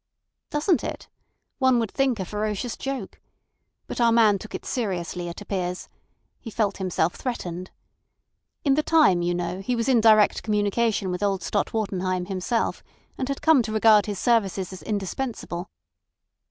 "Doesn't it? One would think a ferocious joke. But our man took it seriously, it appears. He felt himself threatened. In the time, you know, he was in direct communication with old Stott Wartenheim himself, and had come to regard his services as indispensable.